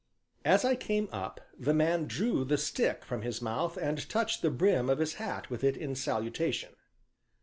As I came up, the man drew the stick from his mouth and touched the brim of his hat with it in salutation.